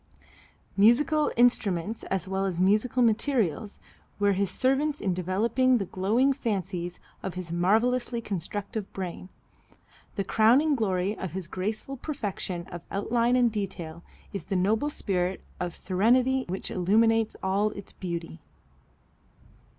Musical instruments, as well as musical materials, were his servants in developing the glowing fancies of his marvelously constructive brain. The crowning glory of his graceful perfection of outline and detail is the noble spirit of serenity which illumines all its beauty.